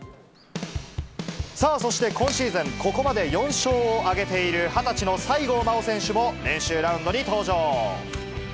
さあそして今シーズン、ここまで４勝を挙げている２０歳の西郷真央選手も練習ラウンドに登場。